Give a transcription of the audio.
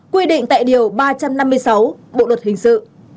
quy định tại điều ba trăm năm mươi sáu bộ luật hình sự